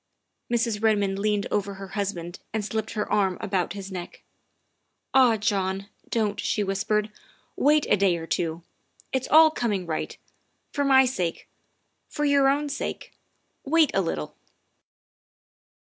Mrs. Redmond leaned over her husband and slipped her arm about his neck. "Ah, John, don't," she whispered, " wait a day or two. It's all coming right. For my sake, for your own sake, wait a little."